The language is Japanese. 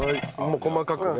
細かくね。